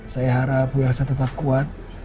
saya harap bu elsa tetap kuat